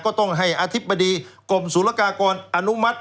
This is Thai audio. ก็ต้องให้อธิบดีกรมศูนยากากรอนุมัติ